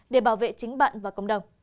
để bảo vệ chính bạn và cộng đồng